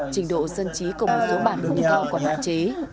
trình độ dân trí cùng một số bản cũng to quản lãng chế